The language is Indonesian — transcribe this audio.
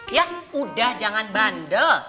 ya udah jangan bandel